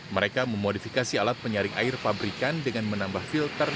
mereka memodifikasi alat penyaring air pabrikan dengan menambah filter